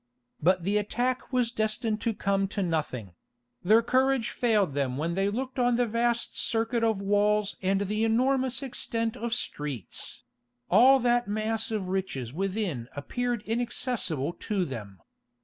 But the attack was destined to come to nothing: "their courage failed them when they looked on the vast circuit of walls and the enormous extent of streets; all that mass of riches within appeared inaccessible to them.